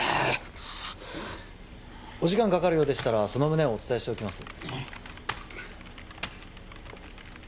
クソッお時間かかるようでしたらその旨お伝えしておきます